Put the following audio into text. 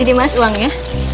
ini mas uangnya